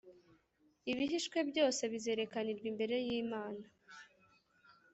ibihishwe byose bizerekanirwa imbere y’imana